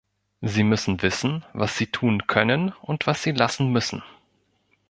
Sie müssen wissen, was sie tun können und was sie lassen müssen.